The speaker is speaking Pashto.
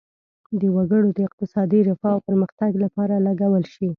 د وګړو د اقتصادي رفاه او پرمختګ لپاره لګول شي.